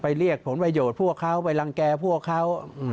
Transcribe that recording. เรียกผลประโยชน์พวกเขาไปรังแก่พวกเขา